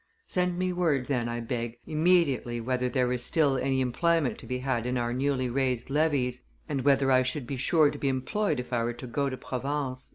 Send me word then, I beg, immediately whether there is still any employment to be had in our newly raised, levies, and whether I should be sure to be employed if I were to go to Provence."